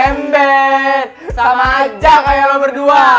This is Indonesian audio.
emben sama aja kayak lo berdua